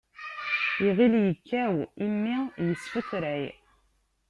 Iɣil ikkaw, immi isfetray.